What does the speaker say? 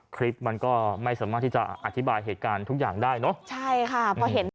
คลิปมันก็ไม่สามารถที่จะอธิบายเหตุการณ์ทุกอย่างได้เนอะใช่ค่ะพอเห็น